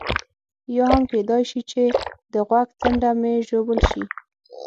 یا هم کېدای شي چې د غوږ څنډه مې ژوبل شي.